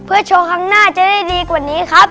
เพื่อโชว์ครั้งหน้าจะได้ดีกว่านี้ครับ